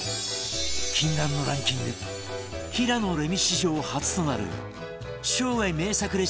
禁断のランキング平野レミ史上初となる生涯名作レシピ